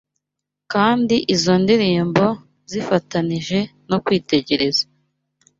kandi izo ndirimbo zifatanije no kwitegereza